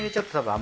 あ。